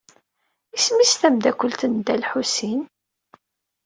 Isem-is tmeddakelt n Dda Lḥusin?